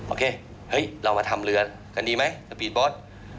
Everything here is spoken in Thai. โอเคเรามาทำเรือกันดีไหมสปีทบอส